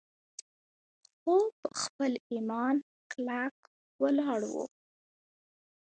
خو پۀ خپل ايمان کلک ولاړ وو